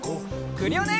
クリオネ！